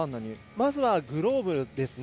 まずはグローブですね。